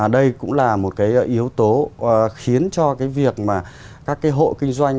đây cũng là một cái yếu tố khiến cho cái việc mà các cái hộ kinh doanh